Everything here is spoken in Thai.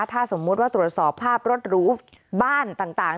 ถ้าสมมุติว่าตรวจสอบภาพรถหรูบ้านต่าง